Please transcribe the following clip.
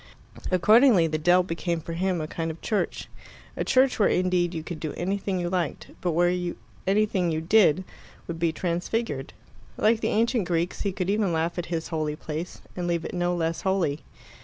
Accordingly the dell became for him a kind of church a church where indeed you could do anything you liked, but where anything you did would be transfigured. Like the ancient Greeks, he could even laugh at his holy place and leave it no less holy.